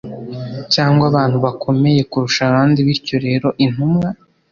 cyangwa abantu bakomeye kurusha abandi Bityo rero intumwa